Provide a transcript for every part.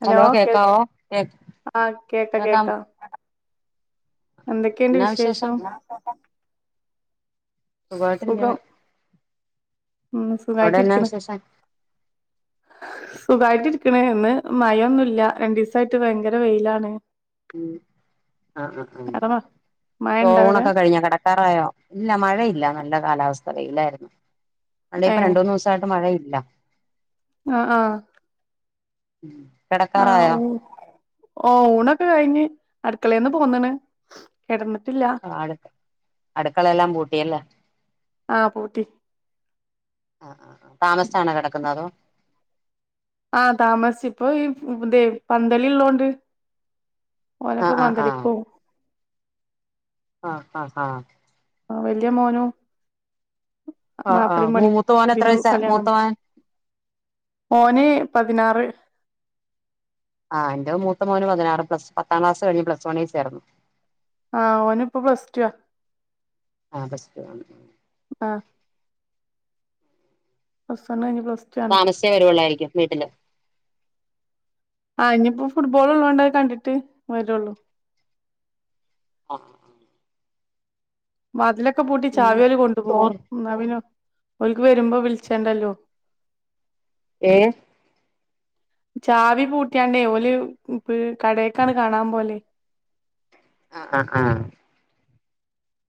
Hello കേൾ കേക്കാവോ കേ ആ കേക്കാം കേക്കാം എന്തൊക്കെയുണ്ട് വിശേഷം? സുഖാട്ടിരിക്കണ് സുഖം ഉം സുഖായിട്ടരിക്കണ് സുഖായിട്ടിരിക്കണ് ഇന്ന് മയൊന്നുല്ല രണ്ടീസായാട്ട് വയങ്കര വെയിലാണ് ഉം ആ ആ ആ അവിടെ മ മഴ ഇണ്ടോ അവിടെ ചോണൊക്കെ കഴിഞ്ഞോ കെടക്കാറായോ ഇല്ല മഴയില്ല നല്ല കാലാവസ്ഥ വെയിലാരുന്നു അല്ലേ ഇപ്പം രണ്ടൂന്നൂസായിട്ട് മഴയി ഇല്ല ആഹ് ആഹ് ഉം ആഹ് കിടക്കാറായോ ഊ ഓ ഊണൊക്കെ കഴിഞ്ഞ് അടുക്കളേന്ന് പോന്നണ് കെടന്ന് ആ ആട്ക്ക് അടുക്കളെല്ലാം പൂ ട്ടിയല്ലേ ആഹ് പൂട്ടി ആ ആ താമസിച്ചാണോ കെടക്കന്ന അതോ ആഹ് താമസിച്ചു ഇപ്പൊ ഈ ഇന്തി പന്തലിള്ളോണ്ട് ആ ആ [unintelligible] ആഹ് ആഹ് ആഹ് ആഹ് വല്യാ മോനോ ആ ആ മൂത്ത മോൻ എത്ര [unintelligible] വയസാ കല്യാണം മൂത്ത മോൻ ഓന് പതിനാറ് ആഹ് എന്റെ മൂത്താ മോന് പതിനാറ് പ്ലസ് പത്താം ക്ലാസ് കഴിഞ്ഞ് പ്ലസ് വണ് ചേർന്ന് ആഹ് ഓന് ഇപ്പം പ്ലസ് ടു ആഹ് ആഹ് പ്ലസ് ടു ആണ് ആ പ്ലസ് വൺ കഴിഞ്ഞ് പ്ലസ് ടു ആണ് താമെസിച്ചേ വെരുള്ളാരിക്കും വീട്ടില് ആ ഇനിയിപ്പം ഫുട്ബോൾ ഒള്ളേണ്ട് കണ്ടിട്ടേ വെരെള്ളു ആഹ് അഹ് [unintelligible] ഒക്കെ പൂട്ടി ചാവി പിന്നെ അവര് കൊണ്ടുപോവും ചോറ് എന്നാ പിന്നെ ഓക്ക് വെര്മ്പോ വിളിച്ചേണ്ടേല്ലോ ഹേ ചാവി പൂട്ടിയാണ്ടേ ഓല് ഈ കടടേക്കാണ് കാണാൻ പോല് ആഹ് ആ ആ-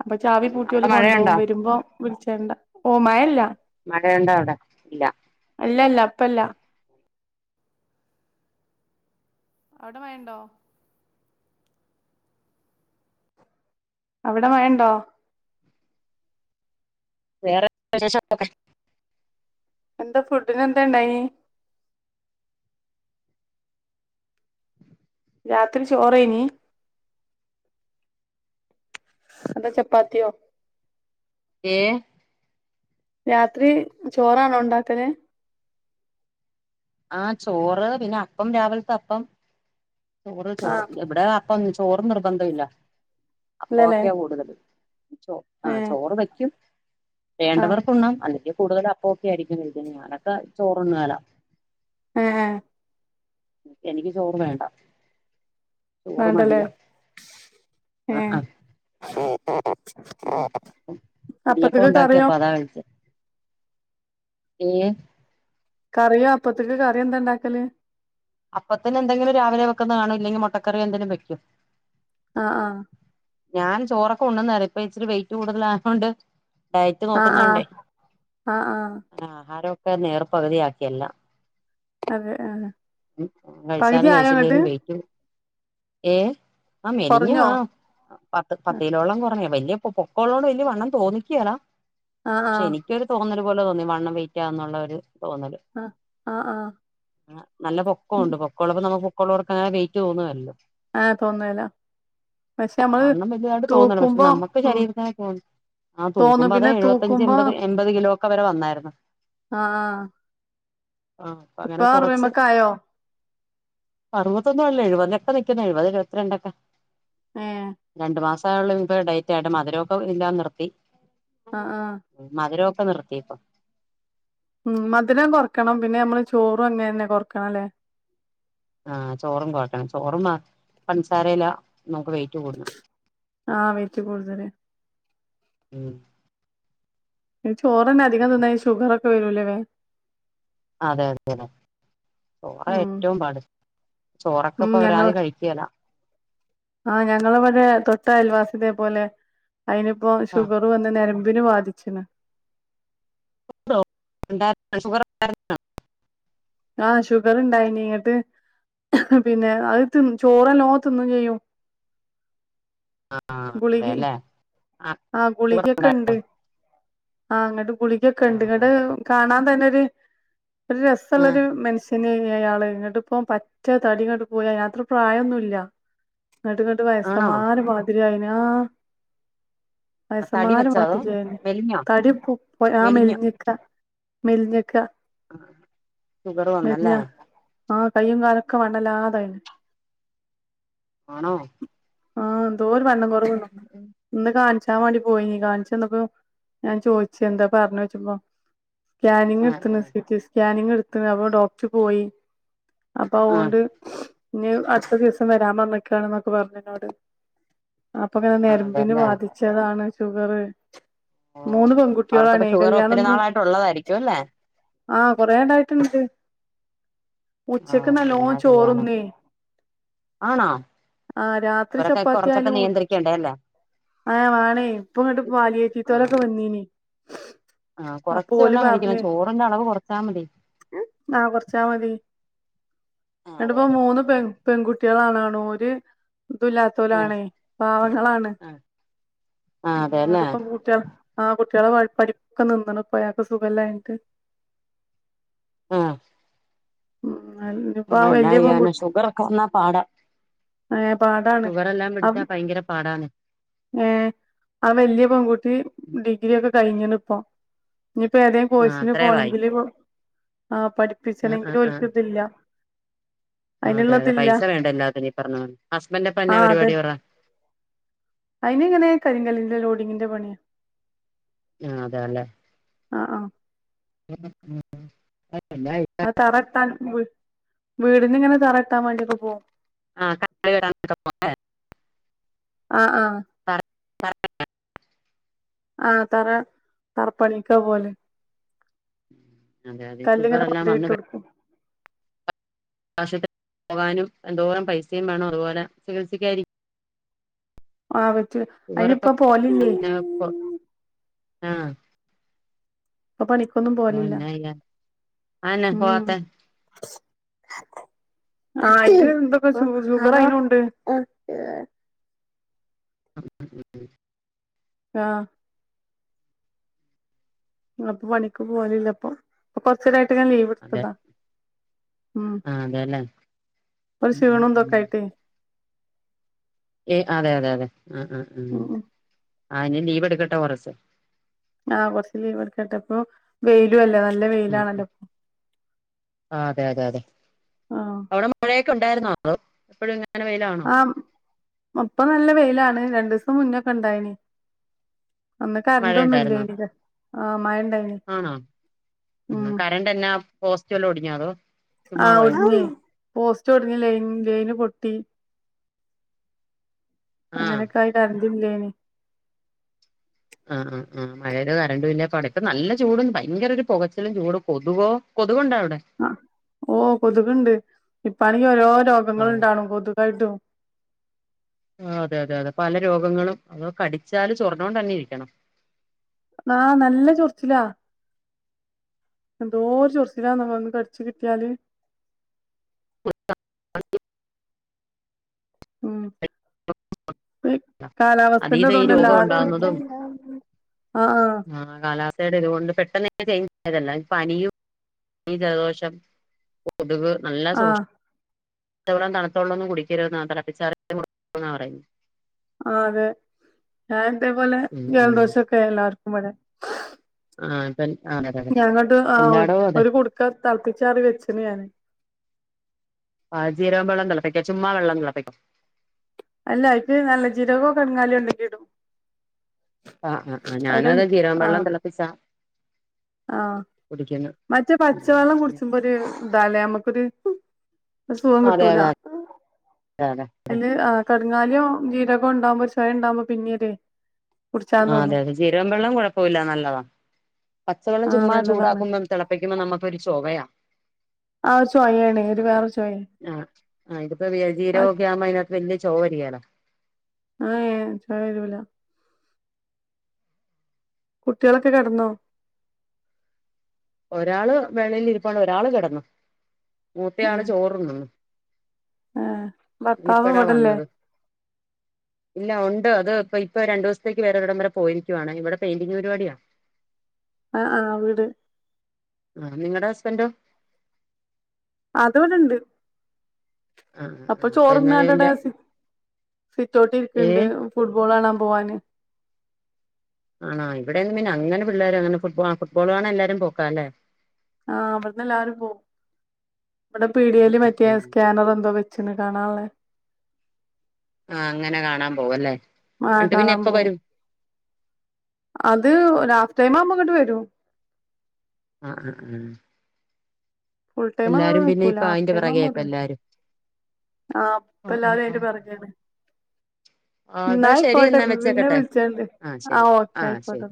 അപ്പം ചാവി പൂട്ടി അവിടെ ഒല് മഴയുണ്ടോ കൊണ്ടോവുംവെര്മ്പം- വിളിച്ചെണ്ട ഓ മയയില്ലാ മഴ ഉണ്ടോ അവടെ ഇല്ല അല്ലല്ല അപ്പല്ല അവിടെ മഴണ്ടോ അവിടെ മയഉണ്ടോ വേറെ വിശേഷം ഒക്കെ എന്താ ഫുഡിന് എന്താ ഇണ്ടായിനി രാത്രി ചോറേയ്നി അതോ ചപ്പാത്തിയോ ഏ രാത്രി ചോറാണോ ഉണ്ടാക്കല് ആ ചോറ് പിന്നെ അപ്പം രാവിലത്തെ അപ്പം ചോറ് ചോ ആഹ് ഇവിടെ അപ്പം ഒ ചോറ് നിർബന്ധം ഇല്ല ഇല്ലല്ലേ അപ്പൊക്കെയാ കൂടുതല് ചോ ആ ഏഹ് ചോറ് വയ്ക്കും ആഹ് വേണ്ടവർക്ക് ഉണ്ണാം അല്ലെങ്കിൽ കൂടുതൽ അപ്പൊക്കെ ആയിരിക്കും [unintelligible] ഞാനൊക്കെ ചോറ് ഉണ്ണലാ ഏ ഏ എനിക്ക് ചോറ് വേണ്ട ചോറ് വാണ്ടല്ലേ മടിയാ ആ ഏ ആ ഉം അപ്പം ഇടിയപ്പം അപ്പത്തേക്ക് ഉണ്ടാക്കി കറിയോ അപ്പം അതാ കഴിച്ചെ ഏഹ് കറിയോ അപ്പത്തേക്ക് കറിയ എന്താ ഇണ്ടാക്കല് അപ്പത്തിന്നെ എന്തെങ്കിലും രാവിലെ വെക്കുന്നുന്നത് കാണോ ഇല്ലെങ്കിൽ മുട്ടക്കറി എന്തെങ്കിലും വെക്കും ആഹ് ആഹ് ഞാൻ ചോറൊക്കെ ഉണ്ണുന്ന ഇപ്പ ഇച്ചിരി വെയിറ്റ് കൂടുതലായോണ്ട് ഡയറ്റ് ആ ആ നോക്കുന്നുണ്ടേ ആ ആ ആഹാര നേർ പകുതിയാക്കിയെല്ലാം അതെ ആഹ് കഴിച്ചാലും കഴിച്ചില്ലേലും വെയ്റ്റ് ഏഹ് ആ മേലിഞ്ഞ് കൊറഞ്ഞോ ആഹ് പത്ത് പത്തിലോളം കുറഞ്ഞ വലിയ പൊക്കള്ളോണ്ട് വലിയ വണ്ണം തോന്നിക്കേലാ ആ ആ പക്ഷെ എനിക്കൊരു തോന്നല് അതുപോലെ തോന്നി വണ്ണം വെയിറ്റാന്നുള്ളൊരു ആഹ് ആഹ് ആഹ് നല്ല പൊക്കംണ്ട് പൊക്കൊള്ളപ്പോ നമുക്ക് മക്കള്ളവർക്ക്ങ്ങനെററ്റ് തോന്നുവല്ലോ ആ തോന്നേല പക്ഷെ ആ നമ്മള് വണ്ണം വലുതായിട്ട് തോന്നണ്ട് പക്ഷെ തൂക്കുമ്പോ നമ്മുക്ക് ഉം ശരീരത്തിനെ തോന്നും ആ തോന്നും തൂക്കുമ്പോ അത് പിന്നെ എഴുപത്തയഞ്ച് തൂക്കുമ്പോ എപത് എൺപത് കിലോ ഒക്കെ വരെ വന്നായിരുന്നു ആ ആ ആ അപ്പ ഇപ്പൊ അങ്ങനെ കുറച്ച് അറുപയ്മക്കായോ അറുപത്തൊന്നല്ലേ ഏഴു ഇപ്പം നിക്കുന്നെ നിക്കുന്ന എഴുപത് എഴു പത്തിരണ്ടൊക്കെ ഏ രണ്ട് മാസ ഇപ്പ ഡയറ്റായിട്ട മധുരൊക്കെ ഇല്ലാ നിർത്തി ആ ആ മധുരോ ഓക്കേ നിർത്തിയി പ്പൊ ഉം മധുരം കൊറക്കണം പിന്നെ നമ്മള് ചോറും അങ്ങനെ തന്നെ കൊറക്കണംല്ലേ ആഹ ചോറും കുഴക്കണം ചോറും പഞ്ചസാരയുമെല്ല നമുക്ക് വെയിറ്റ് കൂട്ടും ആഹ വെയ്റ്റ് കൂടുതല് ഉം ചോറെന്നെ അധികം തിന്ന ഈ ഷുഗർ വേരൂലലെ അതെ അതെല്ലെ ചോറ ഉം ഏറ്റവും പാടു ചോറക്കെ ഇപ്പൊ ഒരാതി കഴിക്കലാ ആഹ ഞങ്ങളവിടെ തൊട്ടഅയൽ വാസിഇതേ പോലെ അതിനിപ്പോ ഷുഗർ വന്ന് നരം നരമ്പിന് ബാധിച്ചക്കിന് ണ്ടുഖണ്ട [unintelligible] ആഹ് ഷുഗർ ഇണ്ടായിന ഇങ്ങിട്ട് പിന്നെ അത് തി ചോറ് നല്ലോം തിന്നും ചെയ്യും ഗുളിക അതെല്ലേ ആഹ് ആ ഷുഗർ ഗുളികൊക്കെ ഉണ്ട് ആഹ് അങ്ങട്ട് ഗുളികൊക്കെ ആഹ് ഉണ്ട് അതെ ഇങ്ങട്ട് അതെ കാണാൻ തന്നെ [inaudible] ആഹ് നല്ലരു മനുഷ്യന് അയാള് ഇങ്ങോട്ടിപ്പ പറ്റ തടിങ്ങോട്ട് പോയാ അയാൾക്ക്‌ പ്രായംന്നുല്ല നട്ട്ങ്ങട്ട് ആണോ വയസ്സമാരെ മാതിരിയയിന് ആ തടി വയസമാരെ വെച്ചോ അതോ മാത്തിക്കായിെ മെലിഞ്ഞോ തടി ആ മെലിഞ്ഞിക്ക മെൽഞ്ഞക്ക ആഹ ഷുഗർ വന്നല്ലേ ആഹ് കയ്യും കാലൊക്കെ വണ്ണല്ലാതായിന് ആണോ ആഹ് ന്തോ വണ്ണം ഉം കുറയോന്നുനോക്കാം ഉം ഉം ഇന്ന് കാണിച്ച് ഞാൻ വണ്ടി പോയി നീ കാണിച്ചന്നപ്പോ ഞാൻ ചോദിച്ച് എന്താ പറഞ്ഞു ചോയ്ച്ചപ്പോ സ്കാനിങ് ആഹ് എടുത്തുന്ന് ആഹ് സി റ്റി സ്കാനിങ് ഇങ്ങള് അപ്പോ ഡോക്ടറ് പോയി അപ്പൊ ആഹ് അതോണ്ട് ഇനി അടുത്ത ദിവസം വരാൻ പറഞ്ഞേക്കാണ് എന്നൊക്കെ പറഞ്ഞെന്നോട് അപ്പൊ ഇങ്ങനെ ആഹ് നെരമ്പിന് അതെല്ലേ ബാധിച്ചതാണ് ഷുഗറ് ഓ അവർക്കപ്പം ഷുഗർ ഒത്തിരി കല്യാണംന്ന് നാളായിട്ട് ഉള്ളതായിരിക്കൂല്ലേ? ആഹ് കുറേണ്ടായി [unintelligible] ഓഹ് എന്നാചെയ്യാനാ ആണോ ആഹ് രാത്രി അവരൊക്കെ ചപ്പാത്തി കൊറച്ചൊക്കെ ആയാലും നിയന്ത്രിക്കേണ്ടേ അല്ലേ ആഹ് വാണേ ഇപ്പൊ ഇങ്ങോട്ട് ആ പാലിയേത്തിക്കാരൊക്കെ വന്നീനി ആ അപ്പൊ കൊറച്ച് ഓല് വെള്ളം കഴിക്കണം പറഞ്ഞ് ചോറിന്റെ അളവ് കൊറച്ചാ മതി ആ കുറച്ചാ മതി ആ അതെ എന്നിട്ടപ്പോ അതെ അതെ മൂന്ന് പെൺ പെൺകു [unintelligible] ഓര് ഒന്നൂല്ലാത്തോലാണേ പാവങ്ങളാണ് ആഹ് അതേല്ലേ ആഹ് കുട്ടികളെ പഠിപ്പൊക്കെ നിന്നണ് ഇപ്പോ അയാക്കു സുഖല്ലാഞ്ഞിട്ട് ഉം ഇനിപ്പോ ആ എന്നാ വല്യ ചെയ്യാനാ പെൺകുട്ടി ഷുഗറൊക്കെ വന്നാ പാടാ ഏ പാടാണ് ഷുഗർ എല്ലാം പിടിച്ചാ ഭയങ്കര പാടാണ് ങേ ആ വലിയ പെൺകുട്ടി ഡിഗ്രിയൊക്കെ കഴിഞ്ഞണ് ഇപ്പോ ഇനിയിപ്പോ ഏതെങ്കും ആ കോഴസിന് അത്രേവായി പോകണെങ്കില് ആഹ് ആ ആ പഠിപ്പിച്ചണെങ്കിലും ആ ഓക്ക് ഇതില്ല അതെ അതെ അയിന്ള്ളതില്ല പൈസ വേണ്ടേ എല്ലാത്തിനും ഈപറഞ്ഞ പോലെ ഹസ്ബൻഡപ്പൊ എന്നാ പരിപാടി ഇവർടെ? അയിന് ഇങ്ങനെ കരിങ്കലിന്റെ ലോഡിങ്ങിന്റെ പണി ആ അതെല്ലേ ആഹ് ആഹ് ഉം ഉം ഉം അ തറത്താൻ വീടിന് ഇങ്ങനെ തറ- [unintelligible] ത്താൻ വേണ്ടിയിട്ട് പോവു. - ആ കാല് കെട്ടാൻ ആഹ് ആ ആ തറ തറപ്പണിക്കപോല്- അതെ അതെ കല്ലിങ്ങനെ ഷുഗറെല്ലാം കൊണ്ടേയിട്ട് കൊടുക്കും- ആശുത്രി പോകാനും എന്തോരം പൈസെയും വേണം അതുപോലെ ചികിത്സിക്കായരി ആ അവാ ഷുഗറൊക്കെ അയിനിപ്പം പോലില്ലേ- ആ ഇപ്പം പണിക്കൊന്നും പോവലില്ല ചെയ്യാൻ അതെന്നെ ഉം പോവാത്തെ ആ ഇതിനു മുമ്പൊക്കെ ഷു ഷുഗറെക്കേ എങ്ങനെ ഒണ്ട്- [unintelligible] ആ- അപ്പം പണിക്ക് പോവല്ല്ലഅപ്പം ഇപ്പം കൊറച്ച്നേരാ ട്ട് ലീവ് അതെ എടുത്തതാ ഉം ആഹ് അതെല്ലേ ഒര് ഉം ഉം ക്ഷീണന്തൊക്കൊയിട്ട്- യെ അതെ അതെ അതെ ഉം ഉം ഉം ആാ നി ലീവ് എടുക്കട്ടെ കൊറച്ച് ആാ കൊറച്ച് ലീവ് എടുക്കട്ടപ്പോ വെയിലും അല്ലോ നല്ല ഉം ഉം വെയിലാണല്ലോ പ്- ആഹ് അതെ അതെ അതെ അവടെ മഴേ ഒണ്ടാര്ന്നോ ഓ എപ്പഴുങ്ങ ആാ ഒപ്പം നല്ല വെയിലാണ് രണ്ട്സം മുന്നെക്കേ ഒണ്ടായിനി അന്ന് മഴ കറണ്ടോന്നും ഉണ്ടായിരുന്നോ ഇല്ല്യായിനി [unintelligible] ആാ മഴ ഇണ്ടായിനി ആണോ ഉം ആ കരണ്ടേല്ലാം പോസ്റ്റല്ലോം ഓടി ഞ്ഞോ തോ ആാ ഒടിഞ്ഞേ പോസ്റ്റ് ഒടിഞ്ഞ് ലൈൻ ലൈന് പൊട്ടി ആഹ് അങ്ങനെക്കായി ക ഇല്ലെനി ആഹ് ആഹ് ആഹ [unintelligible] കരണ്ടു ബില്ല് അട ഇപ്പം നല്ല ചൂടും ഭയങ്കര ഒര് പൊകച്ചിലും ചൂടും കൊതുവോ കൊത് ആ ഓഹ് കൊത്ക് ഉണ്ട് പണി ഓരോന്ന് രോഗങ്ങൾ ആഹ് ഒണ്ടണോ കൊതുകായിട്ടും ആ അതെ അതെ അതെ പല രോഗങ്ങളും അതോ കടിച്ചാല് ചൊർണ്ണൊണ്ട് തന്നെ ഇരിക്കണം. ആ നല്ല ചൊറിച്ചിലാ എന്തോര് ചൊറിച്ചിലാന്നൊ ഒന്ന് കടിച്ചു കിട്ടിയാല് [inaudible] ഉം ഈ അതീന്ന് ഈ കാലാവസ്ഥന്റെതോണ്ട് രോഗം എല്ലാർക്കും ഉണ്ടാകുന്നതും ആഹ് ആഹ് ആ കാലാവസ്ഥയുടെ ഇതുകൊണ്ട് പെ പനിയും ജലദോഷം കൊതുക് [unintelligible] നല്ല സൂക്ഷി ആഹ് പച്ചവെള്ളം തണുത്തവെള്ളോന്നും കുടിക്കരുതെന്ന തെളപ്പിച്ചാറിയ പറയുന്നേ [unintelligible] ആ അതെ ഏ അതേപോലെ ഉം ഉം ജലദോഷൊക്കെ എല്ലാർക്കും ഇവടെ ആ ഇപ്പ അതെ അതെ അതെ ഞാങ്ങട്ട് ആ എല്ലായിടവും അതെ ഒരു കുടുക്ക തെളപ്പിച്ചാറി വെച്ച്ണ് ഞാന് ആഹ് ജീരകമ്പ വള്ളം തിളപ്പിക്കാം ചുമ്മാ വെള്ളം തിളപ്പിക്കാം അല്ല അയ്ക്ക് നല്ല ജീരകോ കട്ങ്കാലിയോ ഇണ്ടെങ്കി ഇടും ആ ആ ആ അത് ഞാനും അതെ ജീരകമ്പം വെള്ളം തിളപ്പിച്ചാ ആ കുടിക്കുന്നെ മറ്റേ പച്ചവെള്ളം ഉം കുടിച്ചുമ്പോ ഒരു ഇതല്ലേ നമ്മുക്കൊരു സുഖം അതെ കിട്ടൂല അതെ അതെ അതെ അതില് ആ കരിങ്ങാലിയോ ജീരകോ ഉണ്ടാവുമ്പോ ഒരു ചൊയ ഉണ്ടാവുമ്പൊ പിന്നെര് ആ അതെ അതെ ജീരകം വെള്ളം കൊഴപ്പ ഇല്ല നല്ലതാ പച്ചവെള്ളം ആഹ് ചുമ്മാ നല്ലതാണ് ചൂടാക്കുമ്പം തിളപ്പിക്കുമ്പോ നമുക്ക് ഒരു ചൊവയ ആ ഒരു ചൊയയാണ് ഒരു വേറെ ചൊയ ആ ആ ഇതിപ്പോ ജീരകൊക്കെ ആവുമ്പോ അതിനകത്ത് വലിയ ചോവരിയാല ഏ ചൊയ വരൂല കുട്ടികളൊക്കെ കിടന്നോ ഒരാള് വെളിയിൽ ഇരുപ്പാണ് ഒരാള് കിടന്നു ഏ മൂത്തയള് ചോറ്ണ്ണുന്നു ഏ ഭർത്താവ് ഇപ്പയാ ഇവിടല്ലേ വന്നത് ഇല്ല ഒന് ണ്ട് അത് ഇപ്പൊ ഇപ്പൊ രണ്ടു ദിവസത്തേക്ക് വേറൊരിടം വരെ പോയിരിക്കുവണ് ഇവിടെ പെയിന്റിങ് പരിപാടിയാ ആ ആ വീട് ആ നിങ്ങളടെ ഹസ്ബന്റോ അത്വ്ടെണ്ട് ആഹ് അയ്പ്പൊ ആഹ് അപ്പൊ എന്നാല് ചോറ്ന്നാണ്ടടെ എന്റെ സിറ്റ് ഔട്ട് ഇരിക്കണ്ട് ഏഹ് ഫുട്ബോൾ ആണ പോവാന് ആണോ ഇവിടെയൊന്നും പിന്നങ്ങനെ പിള്ളേരൊന്നും ഫുട്ബ ഫുട്ബോൾ കാണാ എല്ലാരും പോക്കാ അല്ലെ ആ ഇവിടുന്ന് എല്ലാരും പോവും ഇവടെ പീടേല് ആഹ് ആഹ് മറ്റേ ആഹ് സ്കാനർ എന്തോ വെച്ചണ് കാണാൻള്ളേ ആഹ് അങ്ങനെ കാണാൻ പോവല്ലേ ആ എന്നിട്ട് പിന്നെ കാണാൻ എപ്പ പോവും വരും അത് ഹാഫ് ടൈം ആകുമ്പോൾ ഇങ്ങോട്ട് വരും ആഹ് ആഹ് ആഹ് ഫുൾ ടൈമ് അങ്ങനെ എല്ലാരും പിന്നെ നിക്കൂല ഇപ്പ ഹാഫ് അയിന്റെ ടൈമ് പിറകെയാ ഇപ്പ എല്ലാരും ആ ഇപ്പ ആഹ് ആഹ് എല്ലാവരും ആതിന്റ ആഹ് പിറകെയാണ് ആ എന്നാ ശരി ആയിക്കോട്ടെ എന്നാ പിന്നെ വെച്ചേക്കട്ടെ വിളിച്ചണ്ട് ആ ഓക്കെ ആയിക്കോട്ടെ